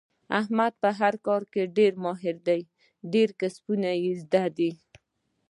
احمد په هر کار کې ډېر ماهر دی. ډېر کسبونه یې زده دي.